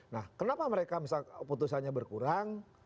nah kenapa mereka misalnya putusannya berkurang